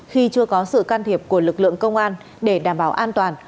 khi chưa có sự can thiệp của lực lượng công an để đảm bảo an toàn